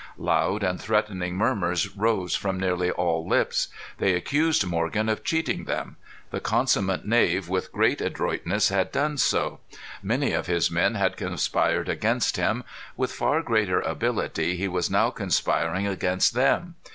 Loud and threatening murmurs rose from nearly all lips. They accused Morgan of cheating them. The consummate knave with great adroitness had done so. Many of his men had conspired against him. With far greater ability he was now conspiring against them.